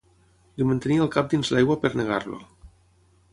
Li mantenia el cap dins l'aigua per negar-lo.